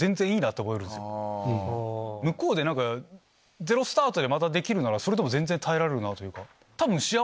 向こうでゼロスタートでまたできるならそれでも全然耐えられるなと。